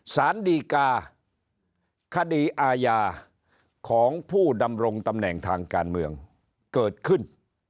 สารดีกาคดีอาญาของผู้ดำรงตำแหน่งทางการเมืองเกิดขึ้น